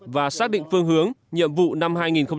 và xác định phương hướng nhiệm vụ năm hai nghìn một mươi tám